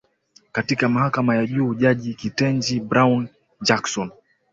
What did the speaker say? katika mahakama ya juu jaji Ketanji Brown Jackson